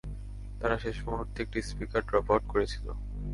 তারা শেষ মুহূর্তে একটি স্পিকার ড্রপ আউট করেছিল।